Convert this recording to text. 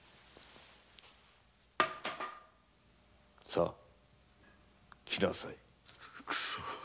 さあ来なさい。